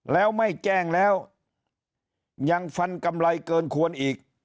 แล้วไม่แจ้งแล้วยังฟันกำไรเกินควรอีก